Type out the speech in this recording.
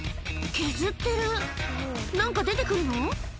削ってる何か出てくるの？